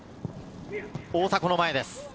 大迫の前です。